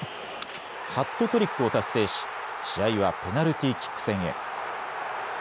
ハットトリックを達成し試合はペナルティーキック戦へ。